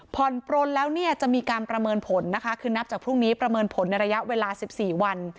ปลนแล้วเนี่ยจะมีการประเมินผลนะคะคือนับจากพรุ่งนี้ประเมินผลในระยะเวลา๑๔วัน